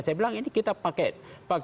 saya bilang ini kita pakai teori nyamuk